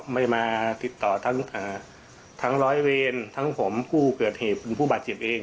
ไม่มาติดต่อทั้งร้อยเวรทั้งผมผู้เกิดเหตุเป็นผู้บาดเจ็บเอง